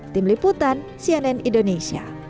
tim liputan cnn indonesia